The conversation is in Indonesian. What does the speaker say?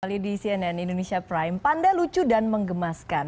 pada cnn indonesia prime panda lucu dan mengemaskan